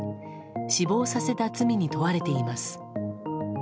死亡させた罪に問われています。